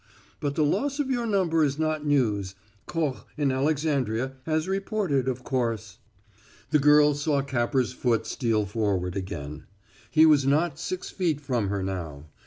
But the loss of your number is not news; Koch, in Alexandria, has reported, of course." The girl saw Capper's foot steal forward again. He was not six feet from her now.